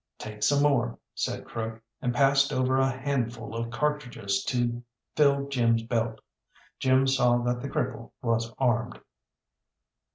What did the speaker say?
"Take some more," said Crook, and passed over a handful of cartridges to fill Jim's belt. Jim saw that the cripple was armed.